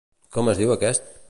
Com es diu aquest?